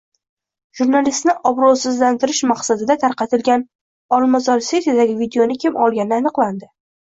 Jurnalistni obro‘sizlantirish maqsadida tarqatilgan Olmazor City’dagi videoni kim olgani aniqlandi